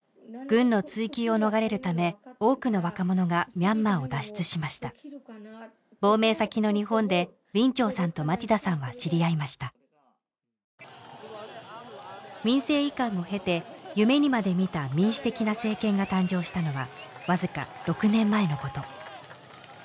軍の追及を逃れるため多くの若者がミャンマーを脱出しました亡命先の日本でウィンチョウさんとマティダさんは知り合いました民政移管を経て夢にまで見た民主的な政権が誕生したのはわずか６年前のこと